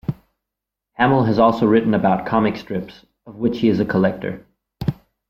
Hamill has also written about comic strips, of which he is a collector.